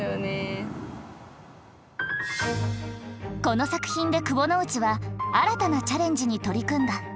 この作品で窪之内は新たなチャレンジに取り組んだ。